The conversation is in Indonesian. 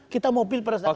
kita mobil perasaan masalah